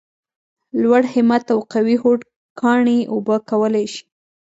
لوړ همت او قوي هوډ کاڼي اوبه کولای شي !